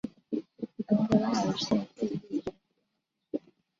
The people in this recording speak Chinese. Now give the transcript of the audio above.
昂格拉尔圣费利人口变化图示